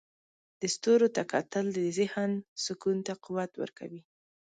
د ستورو ته کتل د ذهن سکون ته قوت ورکوي.